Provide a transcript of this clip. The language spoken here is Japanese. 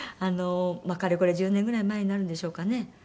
かれこれ１０年ぐらい前になるんでしょうかね。